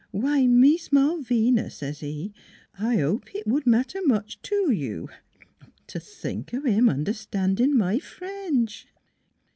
* Why, Mees Malvina,' says he, ' I hope it would matter much to you.' ... T' think o' him understandin' my French